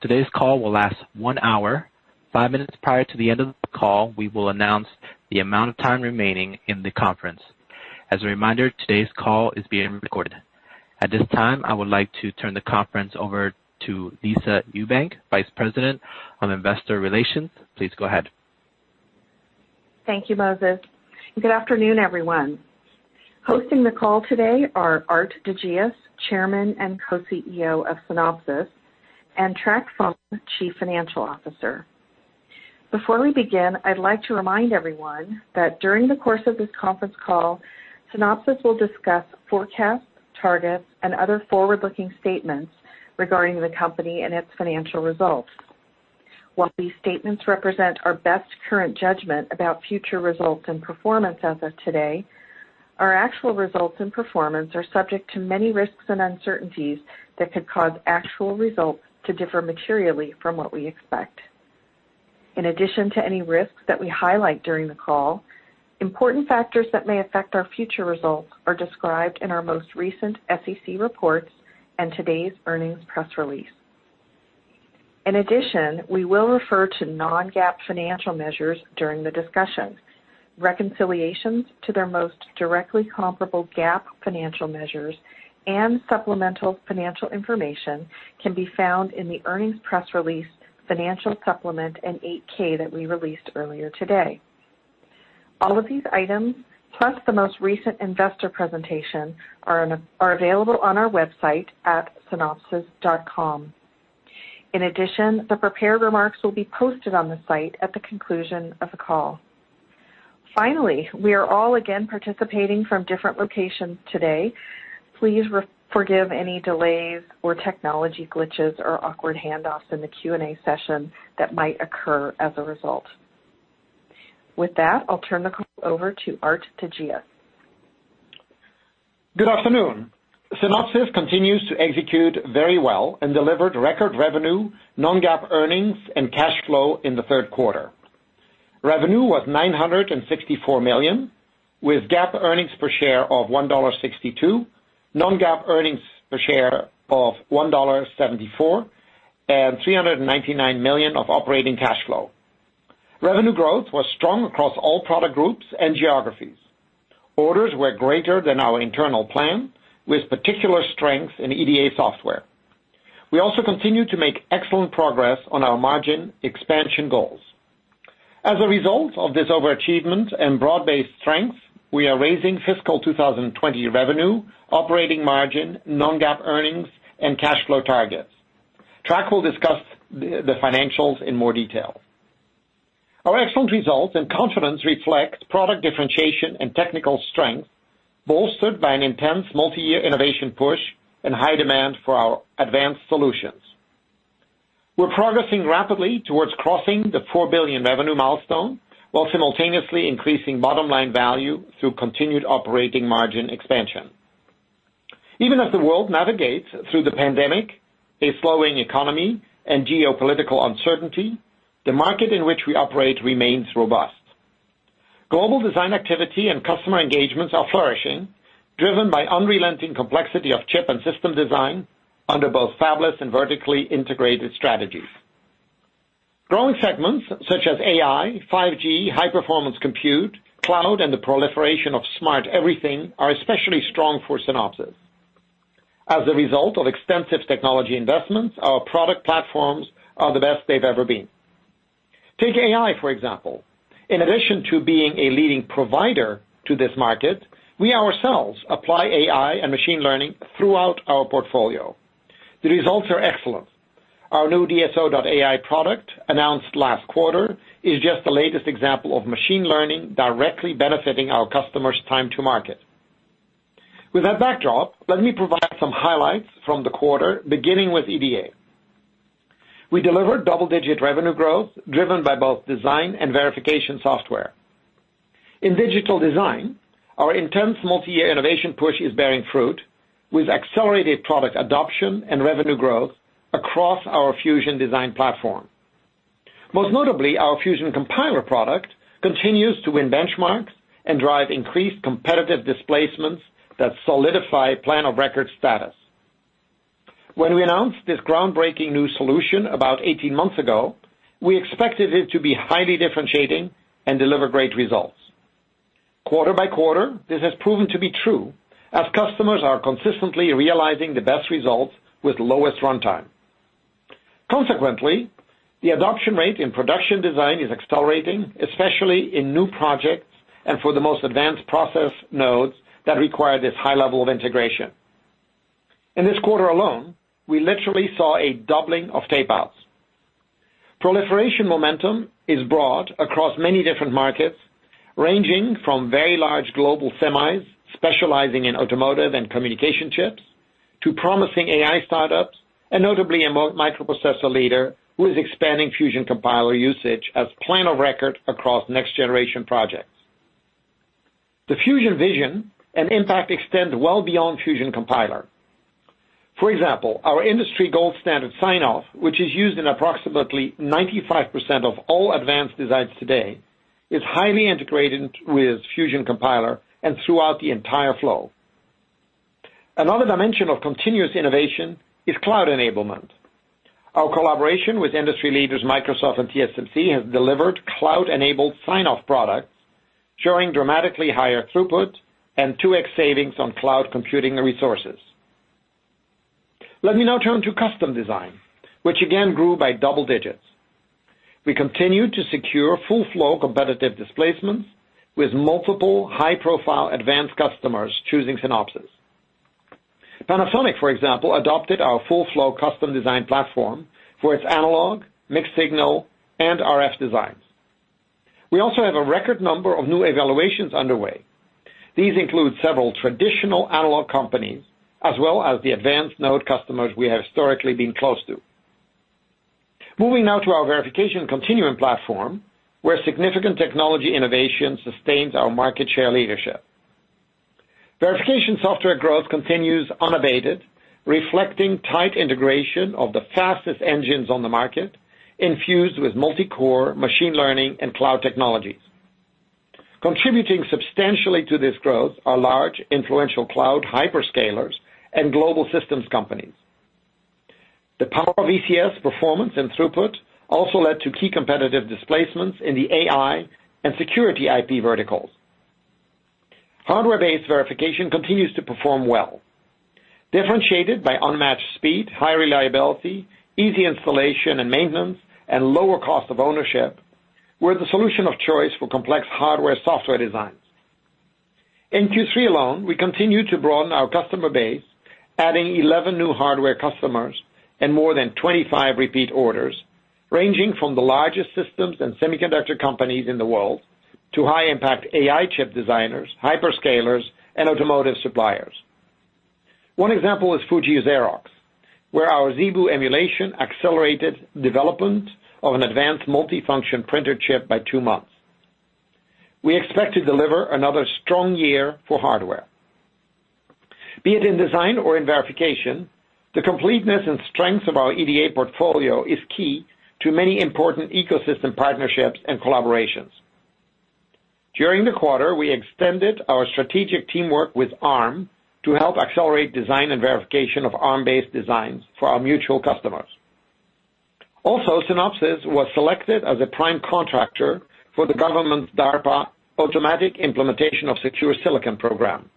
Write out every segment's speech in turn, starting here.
Today's call will last one hour. Five minutes prior to the end of the call, we will announce the amount of time remaining in the conference. As a reminder, today's call is being recorded. At this time, I would like to turn the conference over to Lisa Ewbank, Vice President of Investor Relations. Please go ahead. Thank you, Moses. Good afternoon, everyone. Hosting the call today are Aart de Geus, Chairman and Co-CEO of Synopsys, and Trac Pham, Chief Financial Officer. Before we begin, I'd like to remind everyone that during the course of this conference call, Synopsys will discuss forecasts, targets, and other forward-looking statements regarding the company and its financial results. While these statements represent our best current judgment about future results and performance as of today, our actual results and performance are subject to many risks and uncertainties that could cause actual results to differ materially from what we expect. In addition to any risks that we highlight during the call, important factors that may affect our future results are described in our most recent SEC reports and today's earnings press release. In addition, we will refer to non-GAAP financial measures during the discussion. Reconciliations to their most directly comparable GAAP financial measures and supplemental financial information can be found in the earnings press release, financial supplement, and 8-K that we released earlier today. All of these items, plus the most recent investor presentation, are available on our website at synopsys.com. The prepared remarks will be posted on the site at the conclusion of the call. We are all again participating from different locations today. Please forgive any delays or technology glitches or awkward handoffs in the Q&A session that might occur as a result. I'll turn the call over to Aart de Geus. Good afternoon. Synopsys continues to execute very well and delivered record revenue, non-GAAP earnings, and cash flow in the third quarter. Revenue was $964 million, with GAAP earnings per share of $1.62, non-GAAP earnings per share of $1.74, and $399 million of operating cash flow. Revenue growth was strong across all product groups and geographies. Orders were greater than our internal plan, with particular strength in EDA software. We also continued to make excellent progress on our margin expansion goals. As a result of this overachievement and broad-based strength, we are raising fiscal 2020 revenue, operating margin, non-GAAP earnings, and cash flow targets. Trac will discuss the financials in more detail. Our excellent results and confidence reflect product differentiation and technical strength, bolstered by an intense multi-year innovation push and high demand for our advanced solutions. We're progressing rapidly towards crossing the $4 billion revenue milestone while simultaneously increasing bottom-line value through continued operating margin expansion. Even as the world navigates through the pandemic, a slowing economy, and geopolitical uncertainty, the market in which we operate remains robust. Global design activity and customer engagements are flourishing, driven by unrelenting complexity of chip and system design under both fabless and vertically integrated strategies. Growing segments such as AI, 5G, high-performance compute, cloud, and the proliferation of smart everything are especially strong for Synopsys. As a result of extensive technology investments, our product platforms are the best they've ever been. Take AI, for example. In addition to being a leading provider to this market, we ourselves apply AI and machine learning throughout our portfolio. The results are excellent. Our new DSO.ai product, announced last quarter, is just the latest example of machine learning directly benefiting our customers' time to market. With that backdrop, let me provide some highlights from the quarter, beginning with EDA. We delivered double-digit revenue growth driven by both design and verification software. In digital design, our intense multi-year innovation push is bearing fruit, with accelerated product adoption and revenue growth across our Fusion Design Platform. Most notably, our Fusion Compiler product continues to win benchmarks and drive increased competitive displacements that solidify plan-of-record status. When we announced this groundbreaking new solution about 18 months ago, we expected it to be highly differentiating and deliver great results. Quarter by quarter, this has proven to be true, as customers are consistently realizing the best results with lowest runtime. Consequently, the adoption rate in production design is accelerating, especially in new projects and for the most advanced process nodes that require this high level of integration. In this quarter alone, we literally saw a doubling of tape outs. Proliferation momentum is broad across many different markets, ranging from very large global semis specializing in automotive and communication chips to promising AI startups and notably a microprocessor leader who is expanding Fusion Compiler usage as plan of record across next-generation projects. The Fusion vision and impact extend well beyond Fusion Compiler. For example, our industry gold standard sign-off, which is used in approximately 95% of all advanced designs today, is highly integrated with Fusion Compiler and throughout the entire flow. Another dimension of continuous innovation is cloud enablement. Our collaboration with industry leaders Microsoft and TSMC has delivered cloud-enabled sign-off products showing dramatically higher throughput and 2x savings on cloud computing resources. Let me now turn to custom design, which again grew by double digits. We continued to secure full-flow competitive displacements with multiple high-profile advanced customers choosing Synopsys. Panasonic, for example, adopted our full-flow custom design platform for its analog, mixed-signal, and RF designs. We also have a record number of new evaluations underway. These include several traditional analog companies, as well as the advanced node customers we have historically been close to. Moving now to our Verification Continuum platform, where significant technology innovation sustains our market share leadership. Verification software growth continues unabated, reflecting tight integration of the fastest engines on the market, infused with multi-core machine learning and cloud technologies. Contributing substantially to this growth are large influential cloud hyperscalers and global systems companies. The power of VCS performance and throughput also led to key competitive displacements in the AI and security IP verticals. Hardware-based verification continues to perform well. Differentiated by unmatched speed, high reliability, easy installation and maintenance, and lower cost of ownership, we're the solution of choice for complex hardware/software designs. In Q3 alone, we continued to broaden our customer base, adding 11 new hardware customers and more than 25 repeat orders, ranging from the largest systems and semiconductor companies in the world to high-impact AI chip designers, hyperscalers, and automotive suppliers. One example is Fuji Xerox, where our ZeBu emulation accelerated development of an advanced multifunction printer chip by two months. We expect to deliver another strong year for hardware. Be it in design or in verification, the completeness and strength of our EDA portfolio is key to many important ecosystem partnerships and collaborations. During the quarter, we extended our strategic teamwork with Arm to help accelerate design and verification of Arm-based designs for our mutual customers. Also, Synopsys was selected as a prime contractor for the government's DARPA Automatic Implementation of Secure Silicon program.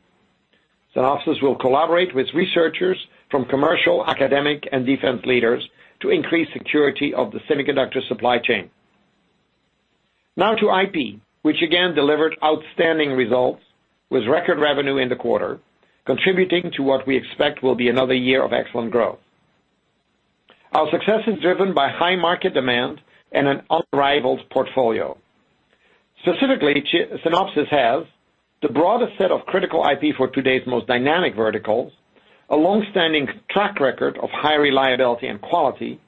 Synopsys will collaborate with researchers from commercial, academic, and defense leaders to increase security of the semiconductor supply chain. Now to IP, which again delivered outstanding results with record revenue in the quarter, contributing to what we expect will be another year of excellent growth. Our success is driven by high market demand and an unrivaled portfolio. Specifically, Synopsys has the broadest set of critical IP for today's most dynamic verticals, a longstanding track record of high reliability and quality,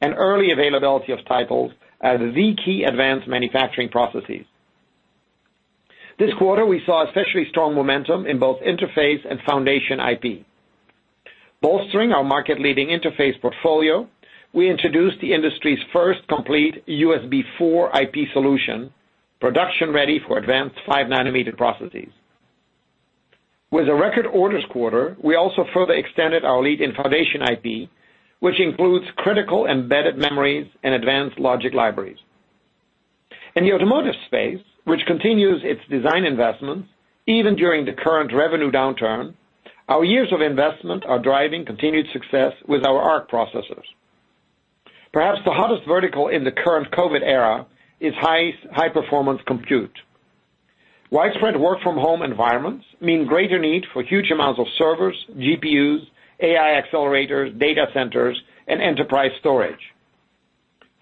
and early availability of titles at the key advanced manufacturing processes. This quarter, we saw especially strong momentum in both interface and foundation IP. Bolstering our market-leading interface portfolio, we introduced the industry's first complete USB4 IP solution, production ready for advanced five nanometer processes. With a record orders quarter, we also further extended our lead in foundation IP, which includes critical embedded memories and advanced logic libraries. In the automotive space, which continues its design investments even during the current revenue downturn, our years of investment are driving continued success with our ARC processors. Perhaps the hottest vertical in the current COVID era is high-performance compute. Widespread work-from-home environments mean greater need for huge amounts of servers, GPUs, AI accelerators, data centers, and enterprise storage.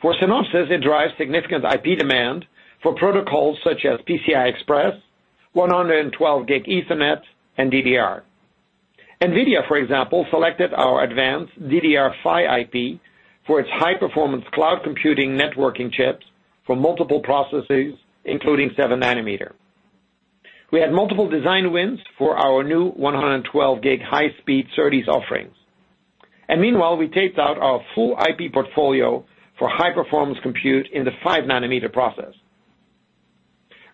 For Synopsys, it drives significant IP demand for protocols such as PCI Express, 112 Gb Ethernet, and DDR. Nvidia, for example, selected our advanced DDR5 IP for its high-performance cloud computing networking chips for multiple processes, including seven nanometer. We had multiple design wins for our new 112 Gb high-speed SerDes offerings. Meanwhile, we taped out our full IP portfolio for high-performance compute in the five nanometer process.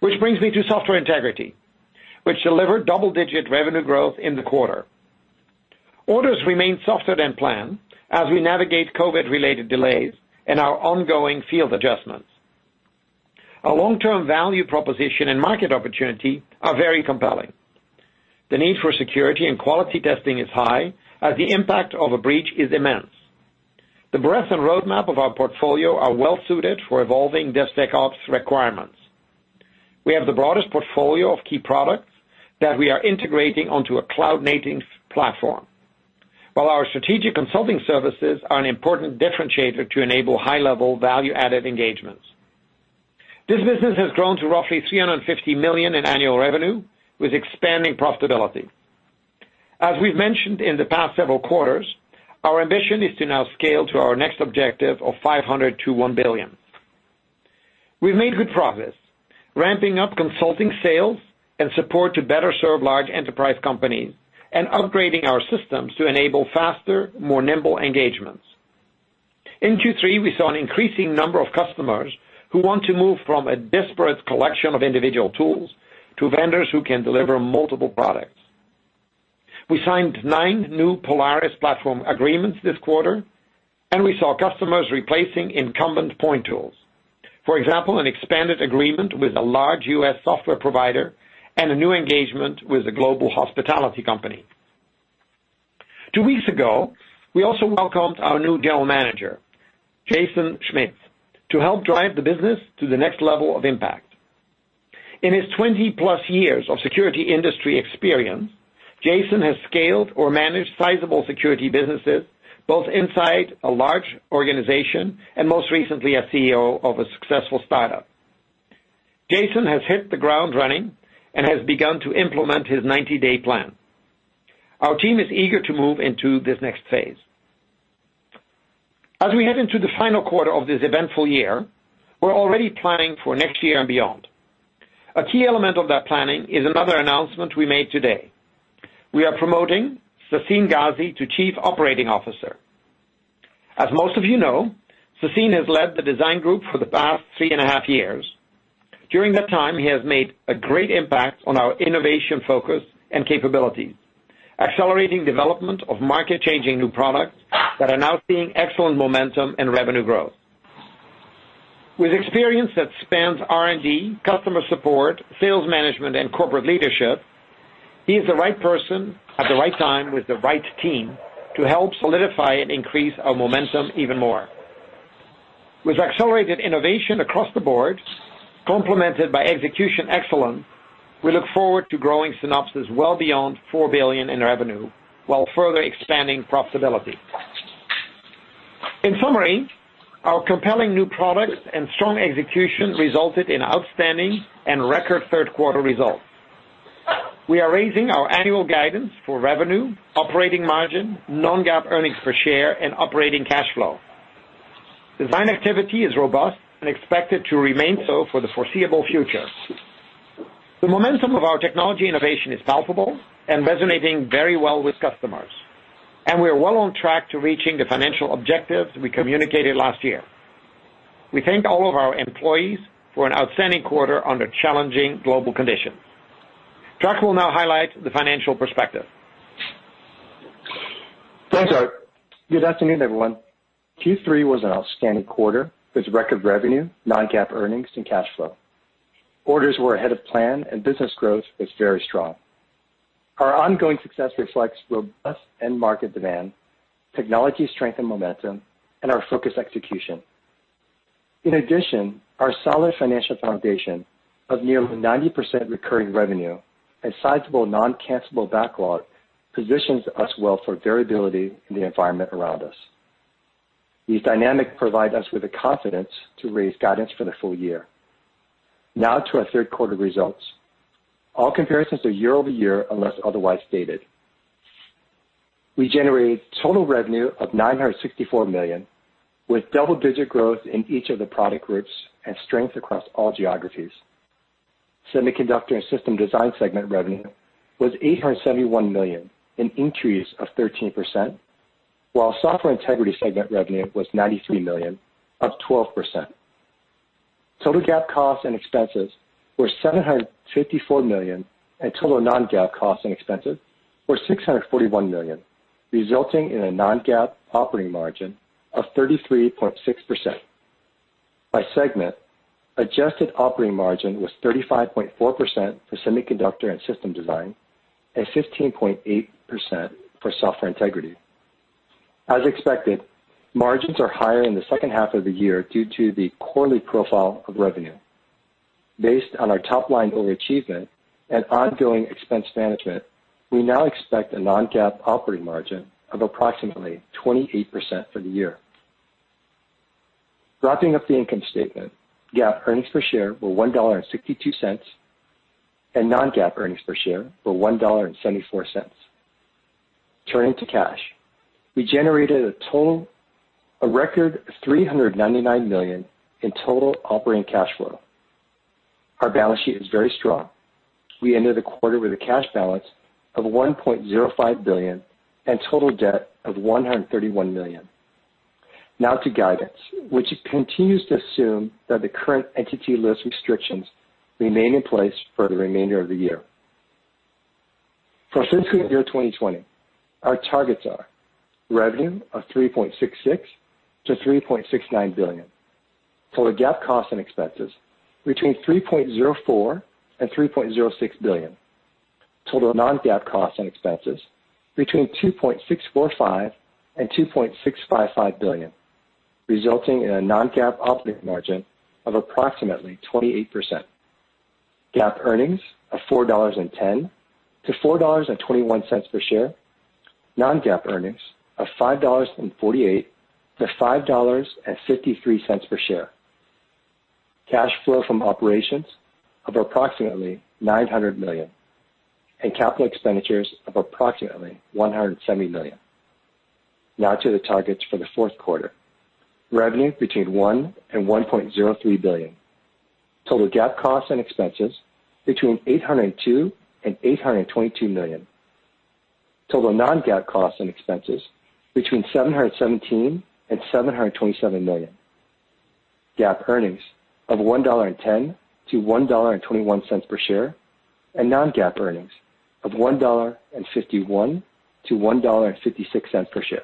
Which brings me to Software Integrity, which delivered double-digit revenue growth in the quarter. Orders remain softer than planned as we navigate COVID-related delays and our ongoing field adjustments. Our long-term value proposition and market opportunity are very compelling. The need for security and quality testing is high, as the impact of a breach is immense. The breadth and roadmap of our portfolio are well suited for evolving DevSecOps requirements. We have the broadest portfolio of key products that we are integrating onto a cloud-native platform, while our strategic consulting services are an important differentiator to enable high-level value-added engagements. This business has grown to roughly $350 million in annual revenue with expanding profitability. As we've mentioned in the past several quarters, our ambition is to now scale to our next objective of $500 million to $1 billion. We've made good progress ramping up consulting sales and support to better serve large enterprise companies and upgrading our systems to enable faster, more nimble engagements. In Q3, we saw an increasing number of customers who want to move from a disparate collection of individual tools to vendors who can deliver multiple products. We signed nine new Polaris platform agreements this quarter, and we saw customers replacing incumbent point tools. For example, an expanded agreement with a large U.S. software provider and a new engagement with a global hospitality company. Two weeks ago, we also welcomed our new general manager, Jason Schmitt, to help drive the business to the next level of impact. In his 20+ years of security industry experience, Jason has scaled or managed sizable security businesses, both inside a large organization and most recently as CEO of a successful startup. Jason has hit the ground running and has begun to implement his 90-day plan. Our team is eager to move into this next phase. As we head into the final quarter of this eventful year, we're already planning for next year and beyond. A key element of that planning is another announcement we made today. We are promoting Sassine Ghazi to Chief Operating Officer. As most of you know, Sassine has led the design group for the past three and a half years. During that time, he has made a great impact on our innovation focus and capabilities, accelerating development of market-changing new products that are now seeing excellent momentum and revenue growth. With experience that spans R&D, customer support, sales management, and corporate leadership, he is the right person at the right time with the right team to help solidify and increase our momentum even more. With accelerated innovation across the board, complemented by execution excellence, we look forward to growing Synopsys well beyond $4 billion in revenue while further expanding profitability. In summary, our compelling new products and strong execution resulted in outstanding and record third quarter results. We are raising our annual guidance for revenue, operating margin, non-GAAP earnings per share, and operating cash flow. Design activity is robust and expected to remain so for the foreseeable future. The momentum of our technology innovation is palpable and resonating very well with customers, and we are well on track to reaching the financial objectives we communicated last year. We thank all of our employees for an outstanding quarter under challenging global conditions. Trac will now highlight the financial perspective. Thanks, Aart. Good afternoon, everyone. Q3 was an outstanding quarter with record revenue, non-GAAP earnings, and cash flow. Orders were ahead of plan and business growth was very strong. Our ongoing success reflects robust end market demand, technology strength and momentum, and our focused execution. In addition, our solid financial foundation of nearly 90% recurring revenue and sizable non-cancelable backlog positions us well for variability in the environment around us. These dynamics provide us with the confidence to raise guidance for the full year. Now to our third quarter results. All comparisons are year-over-year, unless otherwise stated. We generated total revenue of $964 million with double-digit growth in each of the product groups and strength across all geographies. Semiconductor and system design segment revenue was $871 million, an increase of 13%, while Software Integrity segment revenue was $93 million, up 12%. Total GAAP costs and expenses were $754 million, and total non-GAAP costs and expenses were $641 million, resulting in a non-GAAP operating margin of 33.6%. By segment, adjusted operating margin was 35.4% for semiconductor and system design and 15.8% for Software Integrity. As expected, margins are higher in the second half of the year due to the quarterly profile of revenue. Based on our top-line overachievement and ongoing expense management, we now expect a non-GAAP operating margin of approximately 28% for the year. Wrapping up the income statement, GAAP earnings per share were $1.62, and non-GAAP earnings per share were $1.74. Turning to cash. We generated a record $399 million in total operating cash flow. Our balance sheet is very strong. We ended the quarter with a cash balance of $1.05 billion and total debt of $131 million. Now to guidance, which continues to assume that the current Entity List restrictions remain in place for the remainder of the year. For fiscal year 2020, our targets are revenue of $3.66 billion-$3.69 billion. Total GAAP costs and expenses between $3.04 billion and $3.06 billion. Total non-GAAP costs and expenses between $2.645 billion and $2.655 billion, resulting in a non-GAAP operating margin of approximately 28%. GAAP earnings of $4.10-$4.21 per share. Non-GAAP earnings of $5.48-$5.53 per share. Cash flow from operations of approximately $900 million and capital expenditures of approximately $170 million. Now to the targets for the fourth quarter. Revenue between $1 billion and $1.03 billion. Total GAAP costs and expenses between $802 million and $822 million. Total non-GAAP costs and expenses between $717 million and $727 million. GAAP earnings of $1.10-$1.21 per share, and non-GAAP earnings of $1.51-$1.56 per share.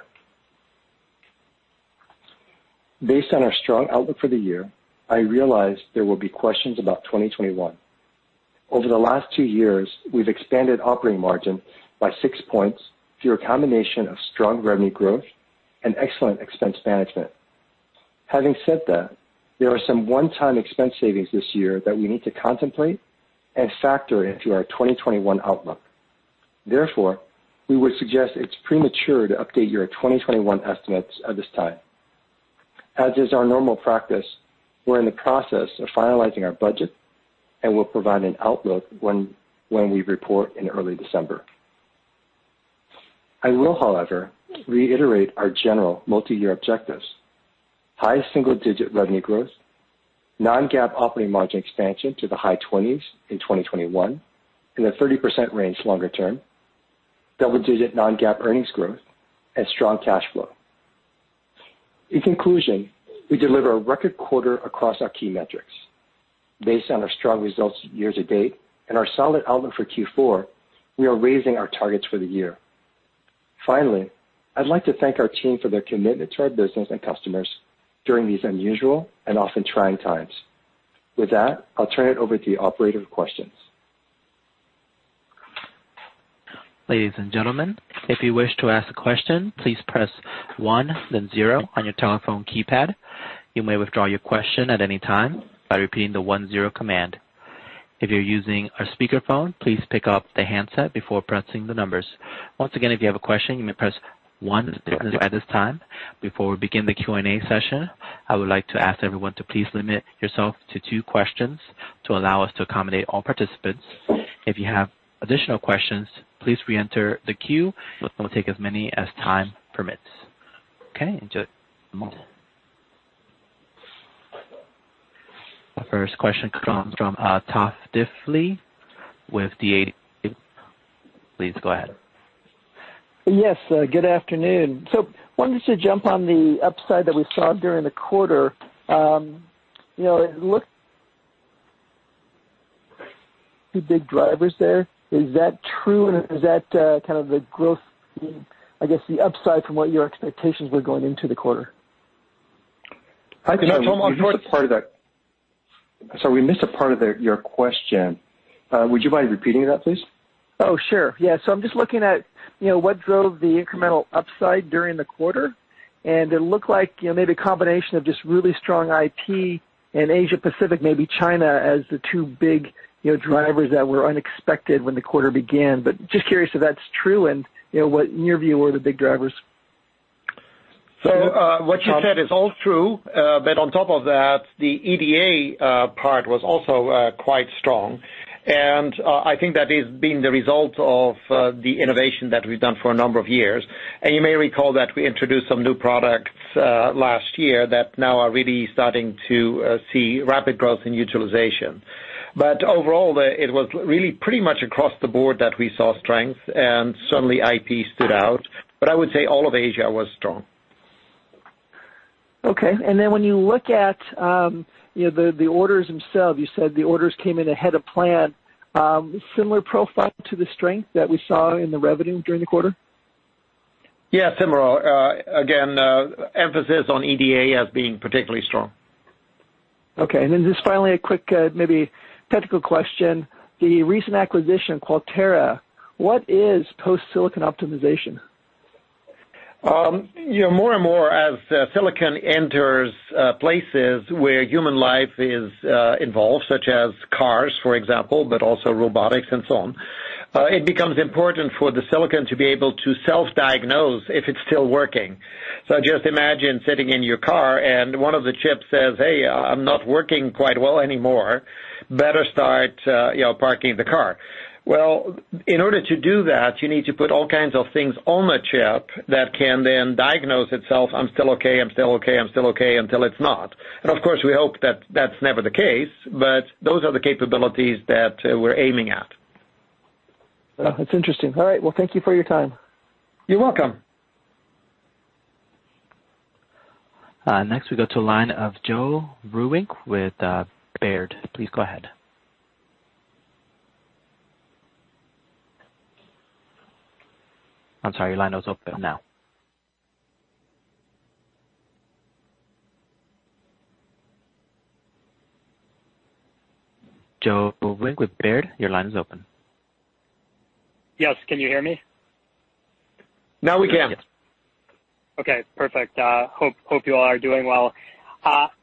Based on our strong outlook for the year, I realize there will be questions about 2021. Over the last two years, we've expanded operating margin by six points through a combination of strong revenue growth and excellent expense management. Having said that, there are some one-time expense savings this year that we need to contemplate and factor into our 2021 outlook. Therefore, we would suggest it's premature to update your 2021 estimates at this time. As is our normal practice, we're in the process of finalizing our budget and will provide an outlook when we report in early December. I will, however, reiterate our general multi-year objectives. High single-digit revenue growth, non-GAAP operating margin expansion to the high 20s in 2021, in the 30% range longer term, double-digit non-GAAP earnings growth, and strong cash flow. In conclusion, we deliver a record quarter across our key metrics. Based on our strong results year to date and our solid outlook for Q4, we are raising our targets for the year. Finally, I'd like to thank our team for their commitment to our business and customers during these unusual and often trying times. With that, I'll turn it over to the operator for questions. Ladies and gentlemen, if you wish to ask a question, please press one then zero on your telephone keypad. You may withdraw your question at any time by repeating the one-zero command. If you're using a speakerphone, please pick up the handset before pressing the numbers. Once again, if you have a question, you may press one. At this time, before we begin the Q&A session, I would like to ask everyone to please limit yourself to two questions to allow us to accommodate all participants. If you have additional questions, please reenter the queue. We'll take as many as time permits. Okay. The first question comes from Tom Diffely with D.A. Davidson. Please go ahead. Yes, good afternoon. Wanted to jump on the upside that we saw during the quarter. It looked two big drivers there. Is that true, and is that kind of the growth, I guess the upside from what your expectations were going into the quarter? I'm sorry, we missed a part of your question. Would you mind repeating that, please? Oh, sure. Yeah. I'm just looking at what drove the incremental upside during the quarter, and it looked like maybe a combination of just really strong IP in Asia Pacific, maybe China, as the two big drivers that were unexpected when the quarter began. Just curious if that's true and what, in your view, were the big drivers? What you said is all true. On top of that, the EDA part was also quite strong. I think that has been the result of the innovation that we've done for a number of years. You may recall that we introduced some new products last year that now are really starting to see rapid growth in utilization. Overall, it was really pretty much across the board that we saw strength, and certainly IP stood out, but I would say all of Asia was strong. Okay, then when you look at the orders themselves, you said the orders came in ahead of plan. Similar profile to the strength that we saw in the revenue during the quarter? Similar. Again, emphasis on EDA as being particularly strong. Okay, just finally, a quick maybe technical question. The recent acquisition, Qualtera, what is post-silicon optimization? More and more as silicon enters places where human life is involved, such as cars, for example, but also robotics and so on, it becomes important for the silicon to be able to self-diagnose if it's still working. Just imagine sitting in your car and one of the chips says, "Hey, I'm not working quite well anymore. Better start parking the car." In order to do that, you need to put all kinds of things on the chip that can then diagnose itself, I'm still okay, I'm still okay, I'm still okay, until it's not. Of course, we hope that that's never the case, but those are the capabilities that we're aiming at. Well, that's interesting. All right. Well, thank you for your time. You're welcome. Next we go to line of Joe Vruwink with Baird. Please go ahead. I'm sorry, your line is open now. Joe Vruwink with Baird, your line is open. Yes, can you hear me? Now we can. Okay, perfect. Hope you all are doing well.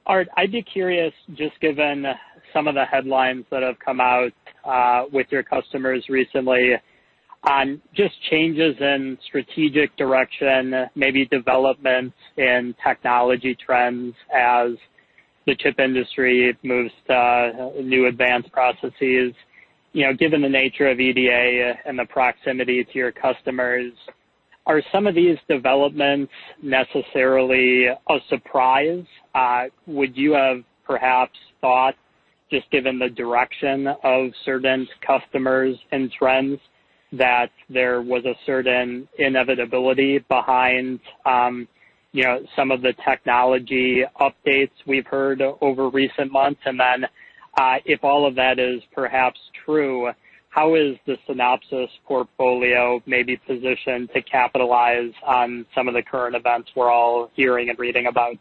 Aart, I'd be curious, just given some of the headlines that have come out with your customers recently on just changes in strategic direction, maybe developments in technology trends as the chip industry moves to new advanced processes. Given the nature of EDA and the proximity to your customers. Are some of these developments necessarily a surprise? Would you have perhaps thought, just given the direction of certain customers and trends, that there was a certain inevitability behind some of the technology updates we've heard over recent months? If all of that is perhaps true, how is the Synopsys portfolio maybe positioned to capitalize on some of the current events we're all hearing and reading about?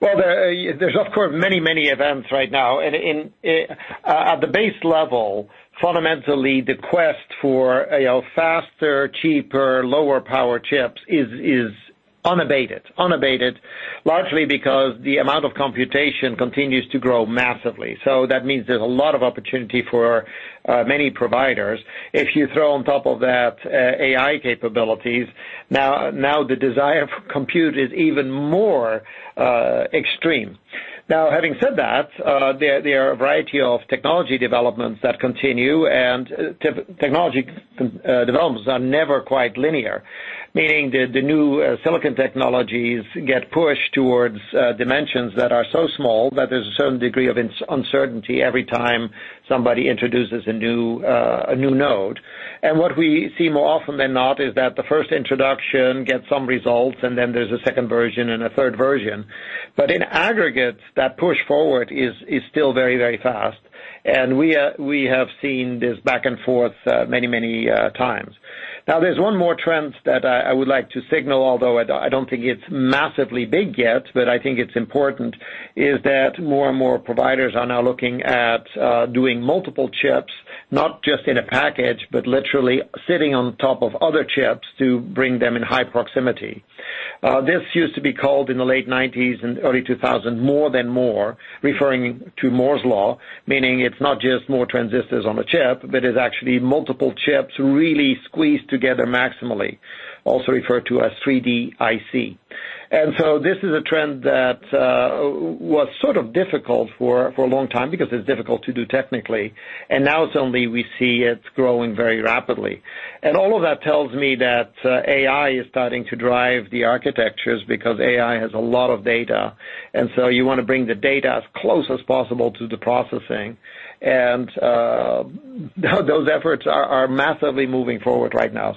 Well, there's of course many, many events right now. At the base level, fundamentally, the quest for faster, cheaper, lower power chips is unabated. Unabated largely because the amount of computation continues to grow massively. That means there's a lot of opportunity for many providers. If you throw on top of that AI capabilities, now the desire for compute is even more extreme. Now, having said that, there are a variety of technology developments that continue. Technology developments are never quite linear, meaning the new silicon technologies get pushed towards dimensions that are so small that there's a certain degree of uncertainty every time somebody introduces a new node. What we see more often than not is that the first introduction gets some results, and then there's a second version and a third version. In aggregate, that push forward is still very, very fast. We have seen this back and forth many, many times. Now, there's one more trend that I would like to signal, although I don't think it's massively big yet, but I think it's important, is that more and more providers are now looking at doing multiple chips, not just in a package, but literally sitting on top of other chips to bring them in high proximity. This used to be called, in the late 1990s and early 2000s, More than Moore, referring to Moore's Law, meaning it's not just more transistors on a chip, but it's actually multiple chips really squeezed together maximally, also referred to as 3D IC. This is a trend that was sort of difficult for a long time because it's difficult to do technically, and now suddenly we see it's growing very rapidly. All of that tells me that AI is starting to drive the architectures because AI has a lot of data, and so you want to bring the data as close as possible to the processing. Those efforts are massively moving forward right now.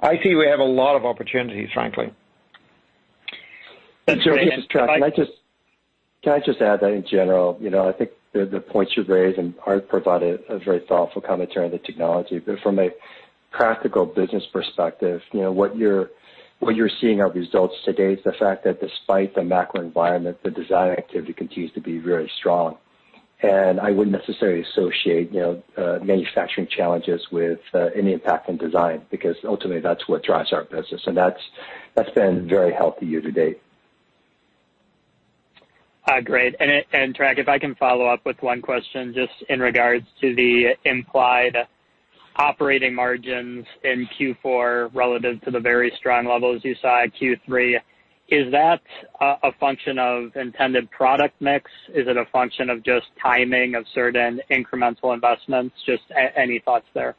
I see we have a lot of opportunities, frankly. Thanks. This is Trac. Can I just add that in general, I think the points you've raised, and Aart provided a very thoughtful commentary on the technology, but from a practical business perspective, what you're seeing are results today is the fact that despite the macro environment, the design activity continues to be very strong. I wouldn't necessarily associate manufacturing challenges with any impact on design, because ultimately that's what drives our business. That's been very healthy year to date. Great. Trac, if I can follow up with one question, just in regards to the implied operating margins in Q4 relative to the very strong levels you saw in Q3. Is that a function of intended product mix? Is it a function of just timing of certain incremental investments? Just any thoughts there.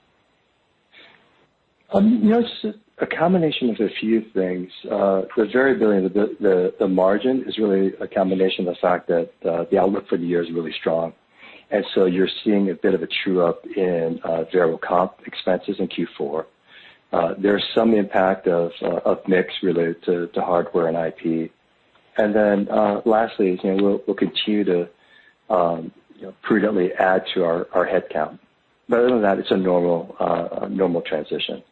Yes, a combination of a few things. The margin is really a combination of the fact that the outlook for the year is really strong, and so you're seeing a bit of a true-up in variable comp expenses in Q4. There's some impact of mix related to hardware and IP. Lastly, we'll continue to prudently add to our headcount. Other than that, it's a normal transition.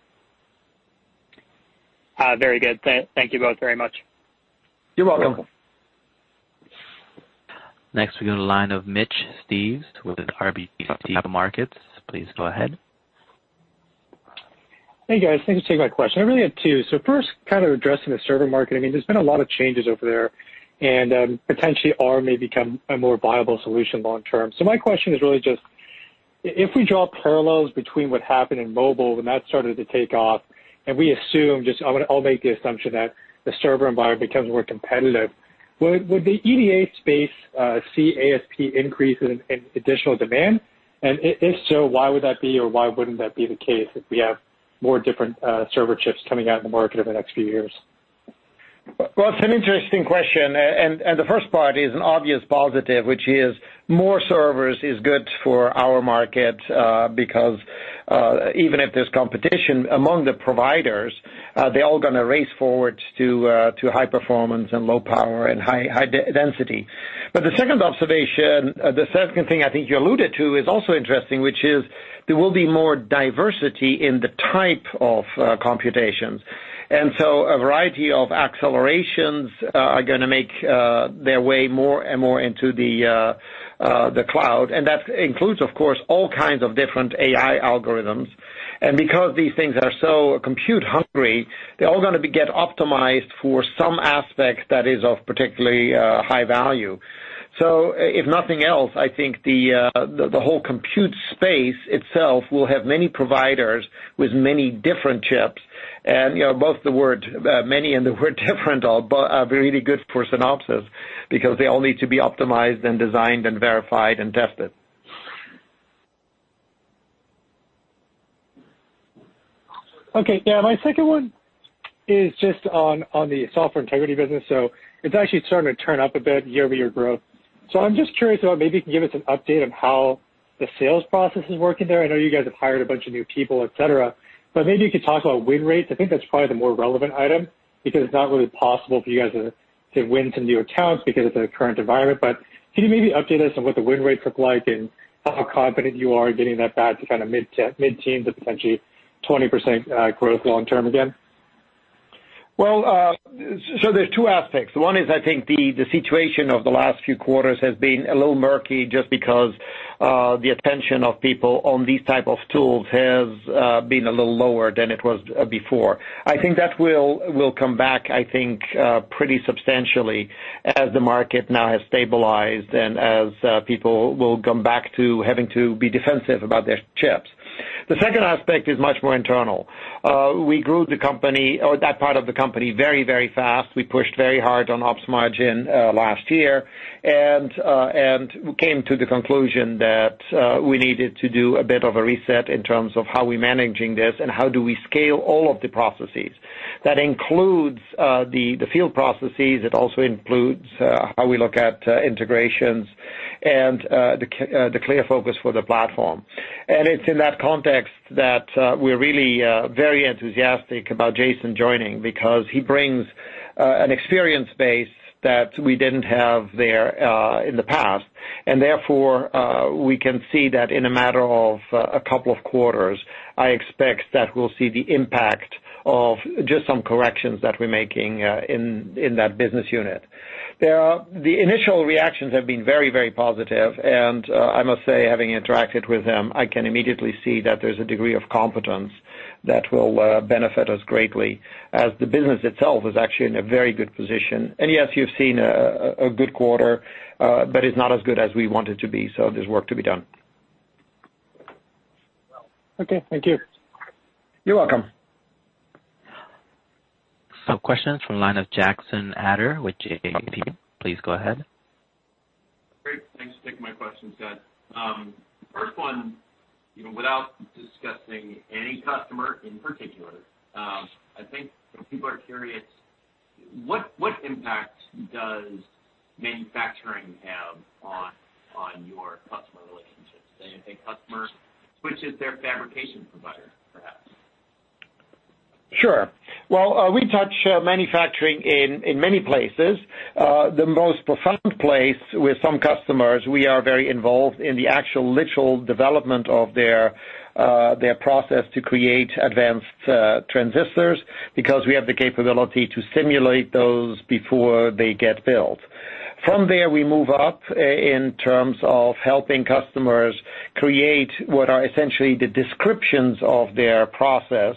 Very good. Thank you both very much. You're welcome. You're welcome. Next, we go to the line of Mitch Steves with RBC Capital Markets. Please go ahead. Hey, guys. Thanks for taking my question. I really have two. First, kind of addressing the server market, I mean, there's been a lot of changes over there, and potentially Arm may become a more viable solution long term. My question is really just, if we draw parallels between what happened in mobile when that started to take off, and we assume just, I'll make the assumption that the server environment becomes more competitive. Would the EDA space see ASP increase in additional demand? If so, why would that be or why wouldn't that be the case if we have more different server chips coming out in the market over the next few years? Well, it's an interesting question. The first part is an obvious positive, which is more servers is good for our market, because, even if there's competition among the providers, they're all going to race forward to high performance and low power and high density. The second observation, the second thing I think you alluded to, is also interesting, which is there will be more diversity in the type of computations. A variety of accelerations are going to make their way more and more into the cloud. That includes, of course, all kinds of different AI algorithms. Because these things are so compute hungry, they're all going to get optimized for some aspect that is of particularly high value. If nothing else, I think the whole compute space itself will have many providers with many different chips, and both the word many and the word different are really good for Synopsys because they all need to be optimized and designed and verified and tested. Okay. Yeah, my second one is just on the Software Integrity business. It's actually starting to turn up a bit year-over-year growth. I'm just curious about maybe you can give us an update on how the sales process is working there. I know you guys have hired a bunch of new people, et cetera, but maybe you could talk about win rates. I think that's probably the more relevant item because it's not really possible for you guys to win some new accounts because of the current environment. Can you maybe update us on what the win rates look like and how confident you are in getting that back to kind of mid-teens or potentially 20% growth long term again? Well, there's two aspects. One is, I think the situation of the last few quarters has been a little murky just because the attention of people on these type of tools has been a little lower than it was before. I think that will come back, I think, pretty substantially as the market now has stabilized and as people will come back to having to be defensive about their chips. The second aspect is much more internal. We grew the company or that part of the company very, very fast. We pushed very hard on ops margin last year and came to the conclusion that we needed to do a bit of a reset in terms of how we're managing this and how do we scale all of the processes. That includes the field processes. It also includes how we look at integrations and the clear focus for the platform. It's in that context that we're really very enthusiastic about Jason joining because he brings an experience base that we didn't have there in the past. Therefore, we can see that in a matter of a couple of quarters, I expect that we'll see the impact of just some corrections that we're making in that business unit. The initial reactions have been very, very positive, and I must say, having interacted with him, I can immediately see that there's a degree of competence that will benefit us greatly as the business itself is actually in a very good position. Yes, you've seen a good quarter, but it's not as good as we want it to be, so there's work to be done. Okay. Thank you. You're welcome. Questions from the line of Jackson Ader with JPMorgan. Please go ahead. Great. Thanks for taking my questions, guys. First one, without discussing any customer in particular, I think people are curious, what impact does manufacturing have on your customer relationships? Say if a customer switches their fabrication provider, perhaps? Sure. Well, we touch manufacturing in many places. The most profound place with some customers, we are very involved in the actual literal development of their process to create advanced transistors because we have the capability to simulate those before they get built. From there, we move up in terms of helping customers create what are essentially the descriptions of their process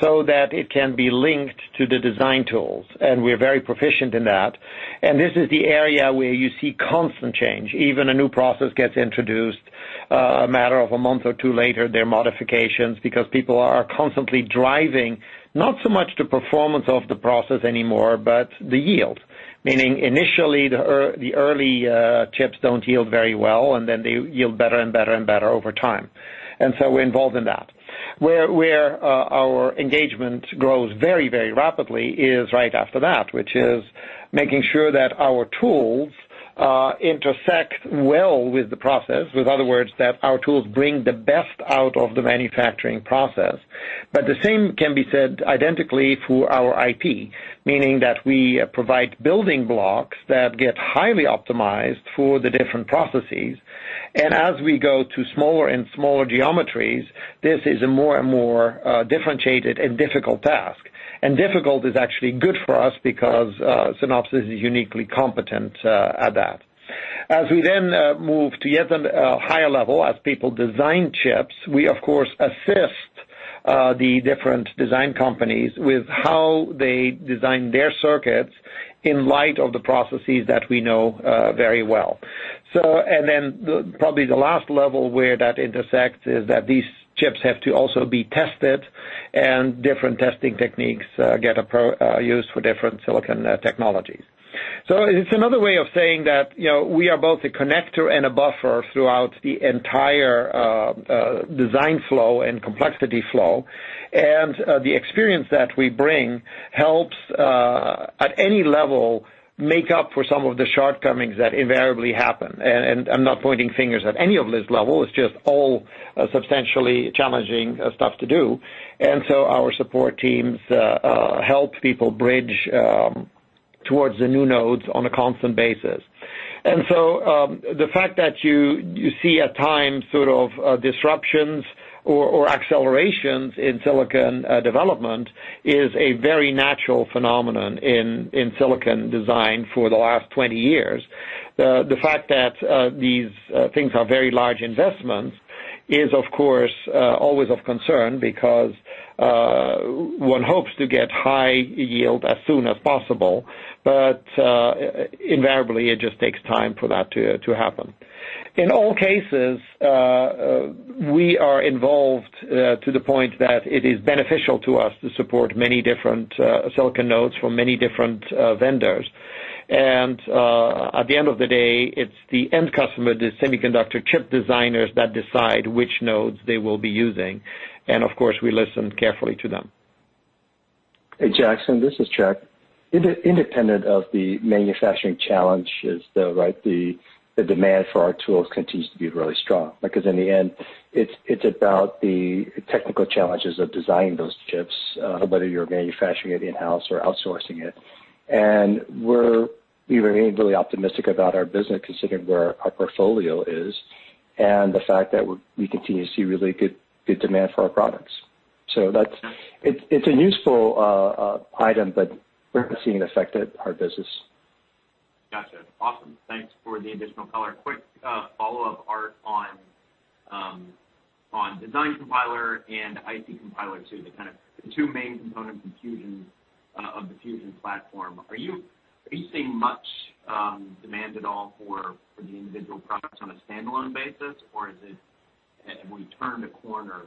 so that it can be linked to the design tools, and we're very proficient in that. This is the area where you see constant change. Even a new process gets introduced, a matter of a month or two later, there are modifications because people are constantly driving, not so much the performance of the process anymore, but the yield. Meaning initially, the early chips don't yield very well, and then they yield better and better and better over time. So we're involved in that. Where our engagement grows very, very rapidly is right after that, which is making sure that our tools intersect well with the process. In other words, that our tools bring the best out of the manufacturing process. The same can be said identically for our IP. Meaning that we provide building blocks that get highly optimized for the different processes. As we go to smaller and smaller geometries, this is a more and more differentiated and difficult task. Difficult is actually good for us because Synopsys is uniquely competent at that. As we then move to yet a higher level, as people design chips, we of course assist the different design companies with how they design their circuits in light of the processes that we know very well. Then probably the last level where that intersects is that these chips have to also be tested and different testing techniques get used for different silicon technologies. It's another way of saying that we are both a connector and a buffer throughout the entire design flow and complexity flow, and the experience that we bring helps, at any level, make up for some of the shortcomings that invariably happen. I'm not pointing fingers at any of this level, it's just all substantially challenging stuff to do. Our support teams help people bridge towards the new nodes on a constant basis. The fact that you see at times sort of disruptions or accelerations in silicon development is a very natural phenomenon in silicon design for the last 20 years. The fact that these things are very large investments is, of course, always of concern because one hopes to get high yield as soon as possible. Invariably, it just takes time for that to happen. In all cases, we are involved to the point that it is beneficial to us to support many different silicon nodes from many different vendors. At the end of the day, it's the end customer, the semiconductor chip designers that decide which nodes they will be using. Of course, we listen carefully to them. Hey, Jackson, this is Trac. Independent of the manufacturing challenges, though, right? The demand for our tools continues to be really strong, because in the end, it's about the technical challenges of designing those chips, whether you're manufacturing it in-house or outsourcing it. We remain really optimistic about our business considering where our portfolio is and the fact that we continue to see really good demand for our products. It's a useful item, but we're not seeing it affect our business. Got you. Awesome. Thanks for the additional color. Quick follow-up, Aart, on Design Compiler and IC Compiler II, the kind of the two main components of the Fusion platform. Are you seeing much demand at all for the individual products on a standalone basis, or have we turned a corner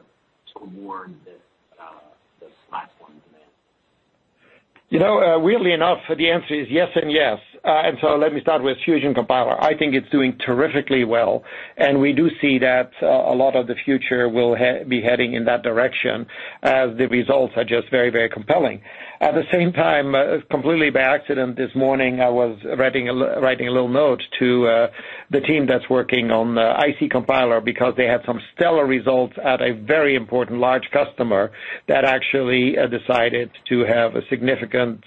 toward this platform demand? Weirdly enough, the answer is yes and yes. Let me start with Fusion Compiler. I think it's doing terrifically well, and we do see that a lot of the future will be heading in that direction, as the results are just very compelling. At the same time, completely by accident this morning, I was writing a little note to the team that's working on IC Compiler because they had some stellar results at a very important large customer that actually decided to have a significant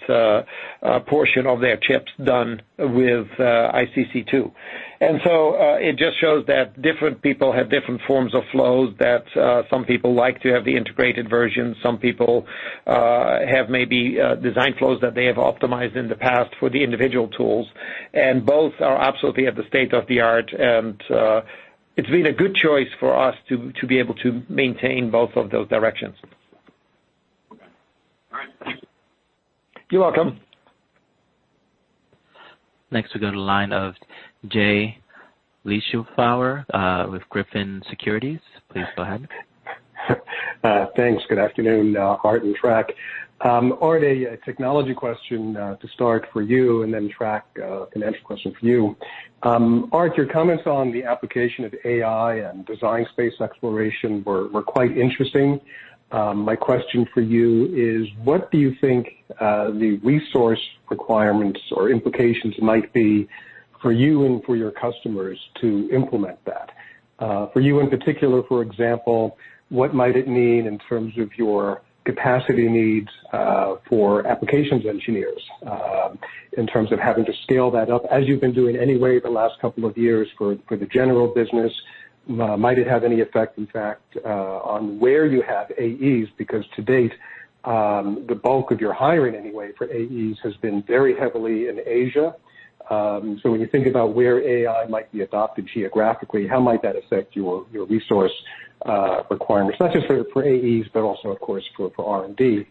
portion of their chips done with ICC2. It just shows that different people have different forms of flows, that some people like to have the integrated version, some people have maybe design flows that they have optimized in the past for the individual tools, and both are absolutely at the state of the art. It's been a good choice for us to be able to maintain both of those directions. Okay. All right. You're welcome. Next we go to the line of Jay Vleeschhouwer, with Griffin Securities. Please go ahead. Thanks. Good afternoon, Aart and Trac. Aart, a technology question to start for you, and then Trac, a financial question for you. Aart, your comments on the application of AI and design space exploration were quite interesting. My question for you is, what do you think the resource requirements or implications might be for you and for your customers to implement that? For you in particular, for example, what might it mean in terms of your capacity needs for applications engineers, in terms of having to scale that up as you've been doing anyway the last couple of years for the general business? Might it have any effect, in fact, on where you have AEs? Because to date, the bulk of your hiring anyway for AEs has been very heavily in Asia. When you think about where AI might be adopted geographically, how might that affect your resource requirements, not just for AEs, but also, of course, for R&D?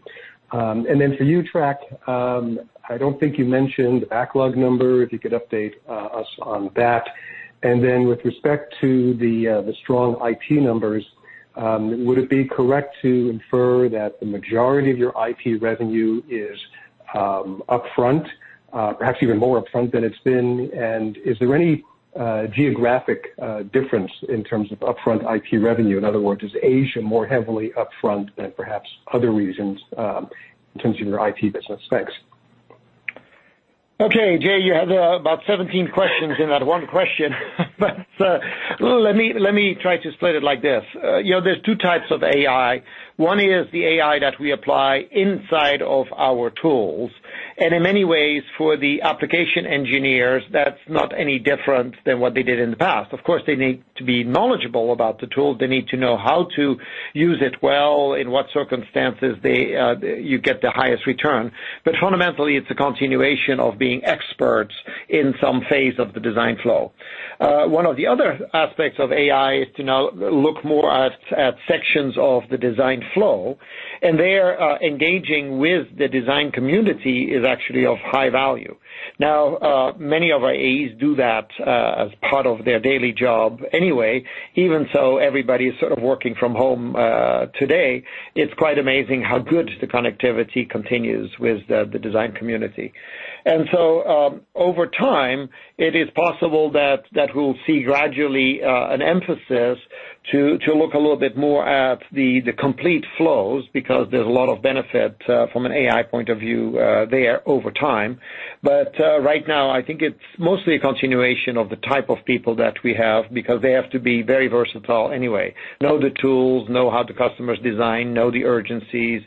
For you, Trac, I don't think you mentioned backlog number, if you could update us on that. With respect to the strong IP numbers, would it be correct to infer that the majority of your IP revenue is upfront, perhaps even more upfront than it's been? Is there any geographic difference in terms of upfront IP revenue? Is Asia more heavily upfront than perhaps other regions in terms of your IP business? Thanks. Okay. Jay, you had about 17 questions in that one question, let me try to split it like this. There's two types of AI. One is the AI that we apply inside of our tools. In many ways, for the application engineers, that's not any different than what they did in the past. Of course, they need to be knowledgeable about the tool. They need to know how to use it well, in what circumstances you get the highest return. Fundamentally, it's a continuation of being experts in some phase of the design flow. One of the other aspects of AI is to now look more at sections of the design flow, there engaging with the design community is actually of high value. Many of our AEs do that as part of their daily job anyway, even so everybody is sort of working from home today. It's quite amazing how good the connectivity continues with the design community. Over time, it is possible that we'll see gradually an emphasis to look a little bit more at the complete flows, because there's a lot of benefit from an AI point of view there over time. Right now, I think it's mostly a continuation of the type of people that we have, because they have to be very versatile anyway. Know the tools, know how the customers design, know the urgencies,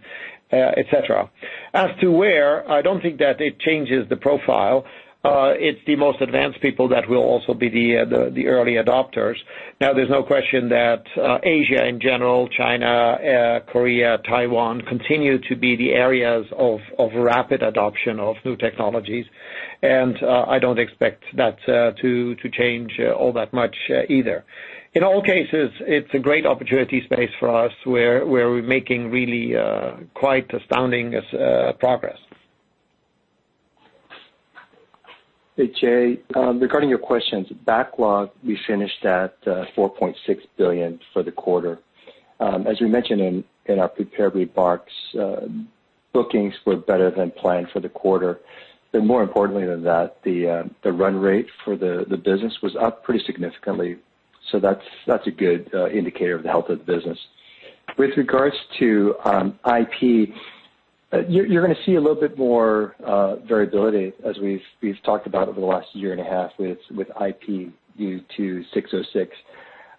et cetera. As to where, I don't think that it changes the profile. It's the most advanced people that will also be the early adopters. There's no question that Asia in general, China, Korea, Taiwan, continue to be the areas of rapid adoption of new technologies, and I don't expect that to change all that much either. In all cases, it's a great opportunity space for us, where we're making really quite astounding progress. Hey, Jay. Regarding your questions. Backlog, we finished at $4.6 billion for the quarter. As we mentioned in our prepared remarks, bookings were better than planned for the quarter. More importantly than that, the run rate for the business was up pretty significantly. That's a good indicator of the health of the business. With regards to IP, you're going to see a little bit more variability as we've talked about over the last year and a half with IP due to 606.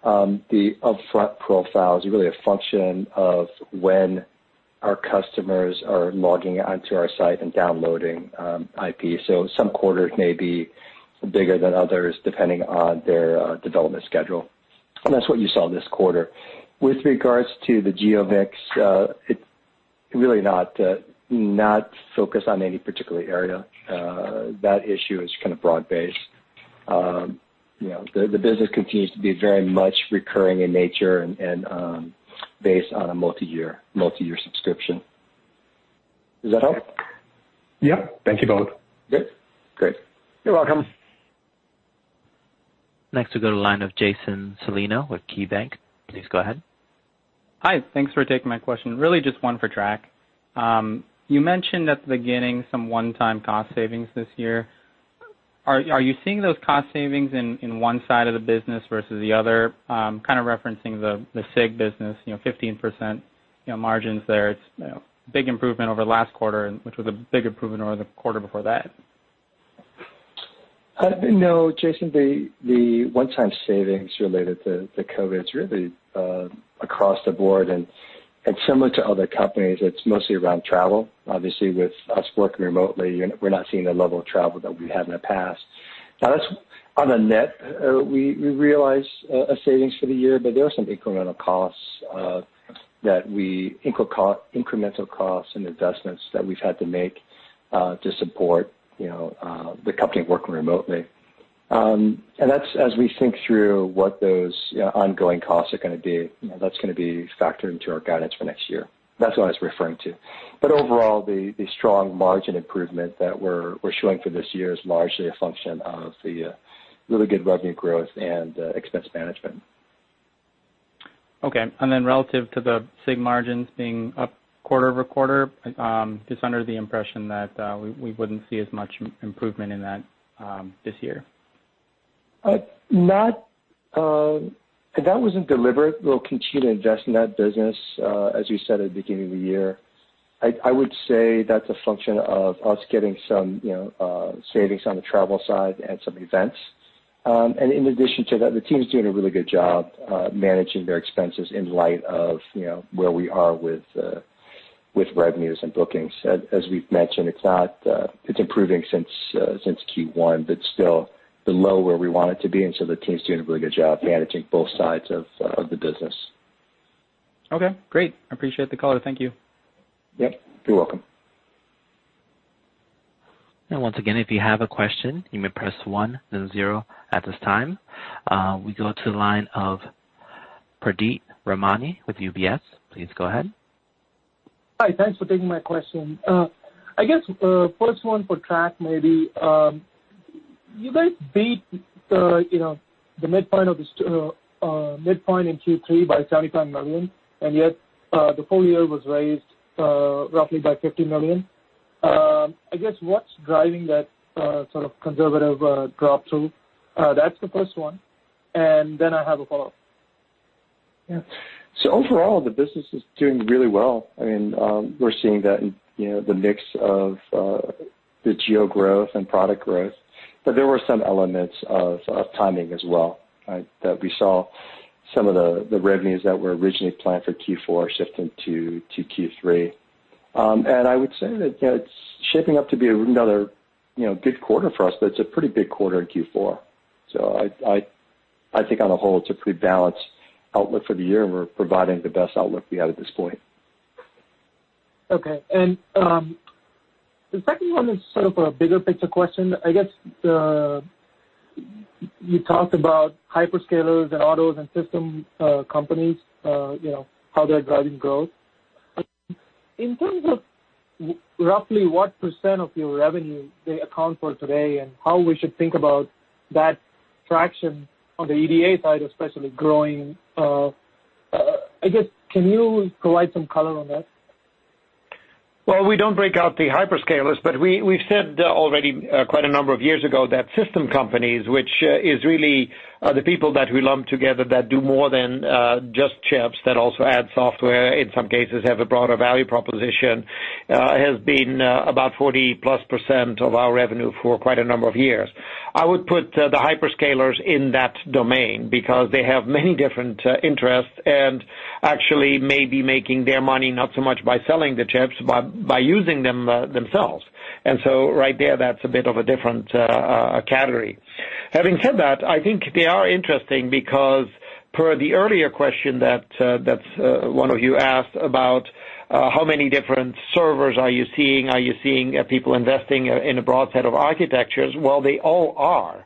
The upfront profile is really a function of when our customers are logging onto our site and downloading IP. Some quarters may be bigger than others, depending on their development schedule. That's what you saw this quarter. With regards to the geo mix, it's really not focused on any particular area. That issue is kind of broad-based. The business continues to be very much recurring in nature and based on a multi-year subscription. Does that help? Yeah. Thank you both. Good. Great. You're welcome. Next we go to the line of Jason Celino with KeyBanc. Please go ahead. Hi. Thanks for taking my question. Really just one for Trac. You mentioned at the beginning some one-time cost savings this year. Are you seeing those cost savings in one side of the business versus the other? Kind of referencing the SIG business, 15% margins there. It's a big improvement over last quarter, which was a big improvement over the quarter before that. No, Jason, the one-time savings related to COVID is really across the board and similar to other companies, it's mostly around travel. Obviously, with us working remotely, we're not seeing the level of travel that we had in the past. On a net, we realize a savings for the year, but there are some incremental costs and investments that we've had to make to support the company working remotely. As we think through what those ongoing costs are going to be, that's going to be factored into our guidance for next year. That's what I was referring to. Overall, the strong margin improvement that we're showing for this year is largely a function of the really good revenue growth and expense management. Okay. Then relative to the SIG margins being up quarter-over-quarter, just under the impression that we wouldn't see as much improvement in that this year. That wasn't deliberate. We'll continue to invest in that business, as you said at the beginning of the year. I would say that's a function of us getting some savings on the travel side and some events. In addition to that, the team's doing a really good job managing their expenses in light of where we are with revenues and bookings. As we've mentioned, it's improving since Q1, but still below where we want it to be. The team's doing a really good job managing both sides of the business. Okay, great. I appreciate the call. Thank you. Yep, you're welcome. Once again, if you have a question, you may press one then zero at this time. We go to the line of Pradeep Ramani with UBS. Please go ahead. Hi, thanks for taking my question. I guess, first one for Trac maybe. You guys beat the midpoint in Q3 by $75 million, yet the full year was raised roughly by $50 million. I guess what's driving that sort of conservative drop through? That's the first one. I have a follow-up. Yeah. Overall, the business is doing really well. I mean, we're seeing that in the mix of the geo growth and product growth. There were some elements of timing as well, that we saw some of the revenues that were originally planned for Q4 shift into Q3. I would say that it's shaping up to be another good quarter for us, but it's a pretty big quarter in Q4. I think on the whole, it's a pretty balanced outlook for the year, and we're providing the best outlook we have at this point. Okay. The second one is sort of a bigger picture question. I guess, you talked about hyperscalers and autos and system companies, how they're driving growth. In terms of roughly what % of your revenue they account for today and how we should think about that traction on the EDA side, especially growing, I guess, can you provide some color on that? Well, we don't break out the hyperscalers, but we've said already quite a number of years ago that system companies, which is really the people that we lump together that do more than just chips, that also add software, in some cases have a broader value proposition, has been about 40%+ of our revenue for quite a number of years. I would put the hyperscalers in that domain because they have many different interests and actually may be making their money not so much by selling the chips, but by using them themselves. Right there, that's a bit of a different category. Having said that, I think they are interesting because per the earlier question that one of you asked about how many different servers are you seeing, are you seeing people investing in a broad set of architectures? Well, they all are,